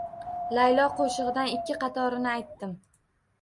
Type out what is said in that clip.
“Laylo” qo‘shig‘idan ikki qatorini aytdim